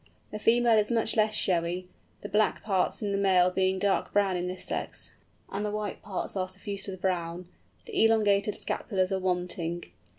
The female is much less showy, the black parts in the male being dark brown in this sex, and the white parts are suffused with brown; the elongated scapulars are wanting.